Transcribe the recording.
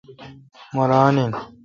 مہ ران این۔